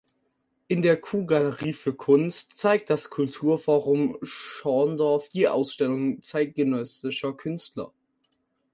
In der "Q Galerie für Kunst" zeigt das Kulturforum Schorndorf Ausstellungen zeitgenössischer Künstler.